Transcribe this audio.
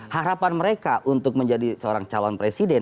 harapan mereka untuk menjadi seorang calon presiden